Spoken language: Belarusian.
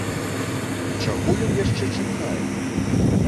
І чаго ён яшчэ чакае?